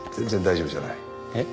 えっ？